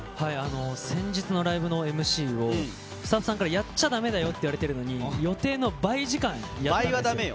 先日のライブのＭＣを、スタッフさんからやっちゃだめだよって言われてるのに、予定の倍倍はだめよ。